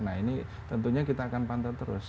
nah ini tentunya kita akan pantau terus